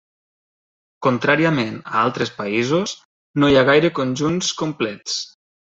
Contràriament a altres països, no hi ha gaire conjunts complets.